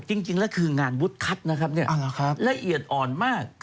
จริงแล้วคืองานวุฒิทัศน์นะครับละเอียดอ่อนมาก